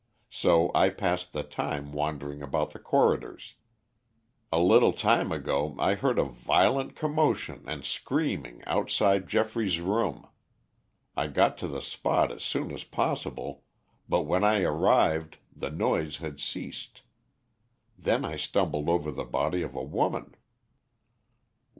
So I passed the time wandering about the corridors. "A little time ago I heard a violent commotion and screaming outside Geoffrey's room. I got to the spot as soon as possible, but when I arrived the noise had ceased. Then I stumbled over the body of a woman."